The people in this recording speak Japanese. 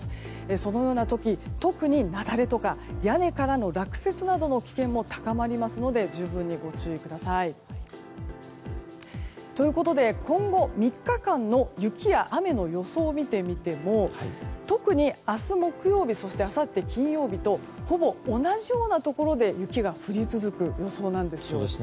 そのような時、特に雪崩とか屋根からの落雪などの危険も高まりますので十分にご注意ください。ということで、今後３日間の雪や雨の予想を見てみても特に明日木曜日そしてあさって金曜日とほぼ同じようなところで雪が降り続く予想なんです。